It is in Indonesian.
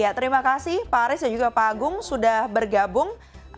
ya terima kasih pak aris dan juga pak agung sudah bergabung